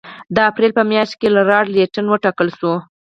د اپرېل په میاشت کې لارډ لیټن وټاکل شو.